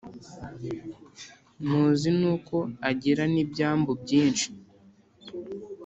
muzi n’uko agira n’ibyambu byinshi